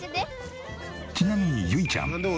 ちなみにゆいちゃん